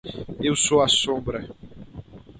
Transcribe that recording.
Eu sou a sombra.